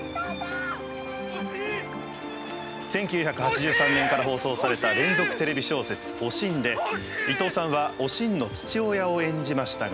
１９８３年から放送された連続テレビ小説「おしん」で伊東さんはおしんの父親を演じましたが。